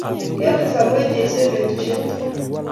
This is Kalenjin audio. Kele soruech Jesu en betushek tugul